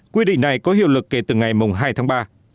quy định này có hiệu lực kể từ ngày hai tháng ba